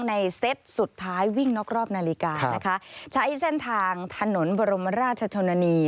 เซตสุดท้ายวิ่งนอกรอบนาฬิกานะคะใช้เส้นทางถนนบรมราชชนนานี